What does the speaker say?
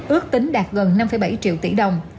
ước tính đạt gần năm bảy triệu tỷ đồng